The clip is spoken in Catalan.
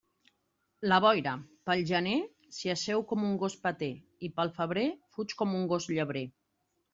La boira, pel gener, s'hi asseu com un gos peter, i pel febrer fuig com un gos llebrer.